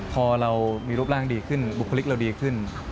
พอเรามีรูปร่างดีขึ้นบุคลิกเราดีขึ้น